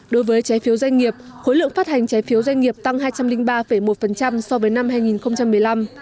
đối với trái phiếu doanh nghiệp khối lượng phát hành trái phiếu doanh nghiệp tăng hai trăm linh ba một so với năm hai nghìn một mươi năm